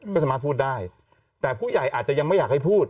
ก็สามารถพูดได้แต่ผู้ใหญ่อาจจะยังไม่อยากให้พูด